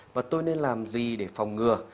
và tôi nên làm gì để phòng ngừa